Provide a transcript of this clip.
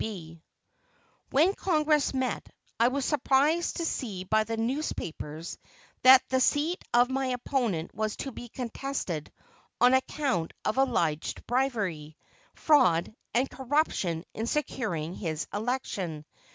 P. T. B. When Congress met, I was surprised to see by the newspapers that the seat of my opponent was to be contested on account of alleged bribery, fraud and corruption in securing his election.